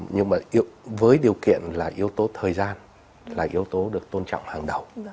nhưng mà với điều kiện là yếu tố thời gian là yếu tố được tôn trọng hàng đầu